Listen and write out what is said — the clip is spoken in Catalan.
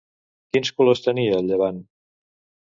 Quins colors tenia el llevant?